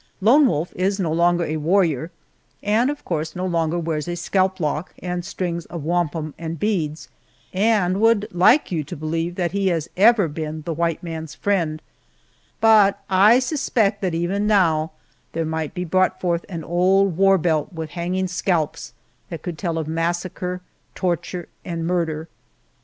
Lone Wolf is no longer a warrior, and of course no longer wears a scalp lock and strings of wampum and beads, and would like to have you believe that he has ever been the white man's friend, but I suspect that even now there might be brought forth an old war belt with hanging scalps that could tell of massacre, torture, and murder.